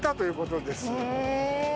へえ。